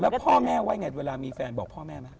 แล้วพ่อแม่ว่าไงเวลามีแฟนบอกพ่อแม่ไหม